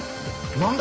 何だ？